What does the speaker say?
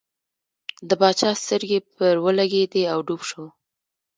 د باچا سترګې پر ولګېدې او ډوب شو.